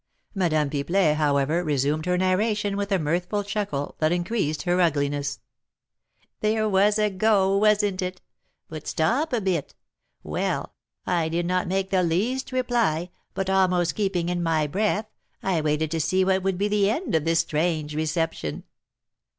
Madame Pipelet, however, resumed her narration with a mirthful chuckle that increased her ugliness: "That was a go, wasn't it? But stop a bit. Well, I did not make the least reply, but, almost keeping in my breath, I waited to see what would be the end of this strange reception.